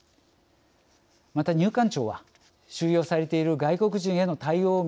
また入管庁は収容されている外国人への対応を見直し